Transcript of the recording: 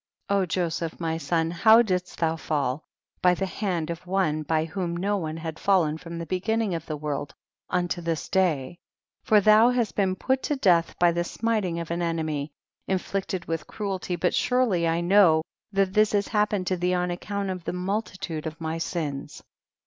27. Joseph my son how didst thou fall, by the hand of one by whom no one had fallen from the beginning of the world unto this day ; for thou hast been put to death by the smiting of an enemy, inflicted with cruelty, but surely I know that this has happened to thee, on account of the multitude of my sins.